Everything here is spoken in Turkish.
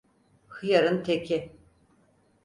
Hıyarın teki.